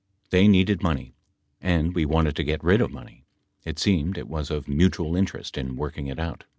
they needed money, and we wanted to get rid of money, it seemed it was of mutual interest in working it out."